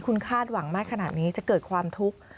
คุณคาดหวังมากขนาดนี้จะเกิดความทุกข์